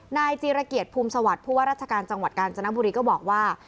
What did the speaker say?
นายจีรเกียรติภูมิสวัสดิ์ผู้ว่าราชการจังหวัดกาญจนบุรีก็บอกว่า